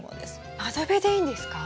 窓辺でいいんですか？